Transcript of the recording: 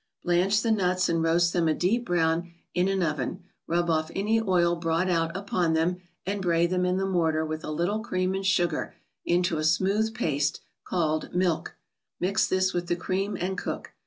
29 Blanch the nuts and roast them a deep brown in an oven, rub off any oil brought out upon them, and bray them in the mortar with a little cream and sugar into a smooth paste, called " Milk." Mix this with the cream and cook.